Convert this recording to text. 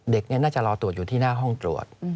เด็กน่าจะรอตรวจอยู่ที่หน้าห้องตรวจ